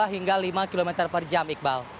dua hingga lima km per jam iqbal